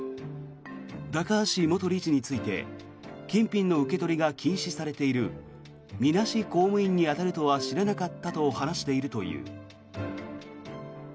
高橋元理事について金品の受け取りが禁止されているみなし公務員に当たるとは知らなかったと話しているという。